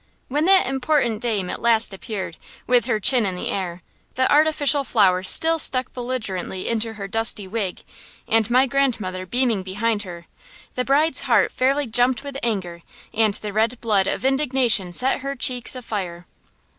When that important dame at last appeared, with her chin in the air, the artificial flower still stuck belligerently into her dusty wig, and my grandmother beaming behind her, the bride's heart fairly jumped with anger, and the red blood of indignation set her cheeks afire.